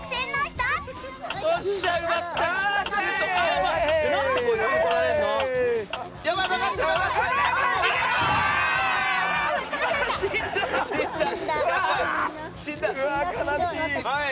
悲しい。